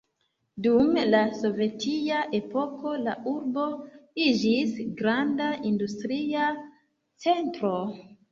Dum la Sovetia epoko la urbo iĝis granda industria centro.